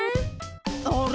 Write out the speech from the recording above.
あれ？